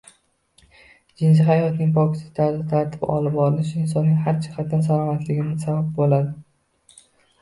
Jinsiy hayotning pokiza tarzda, tartibli olib borilishi insonning har jihatdan salomatligiga sabab bo’ladi.